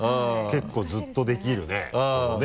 結構ずっとできるねこれをね。